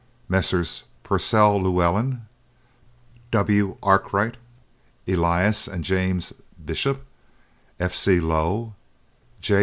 Messrs. Purcell Llewellyn, W. Arkwright, Elias and James Bishop, F. C. Lowe, J.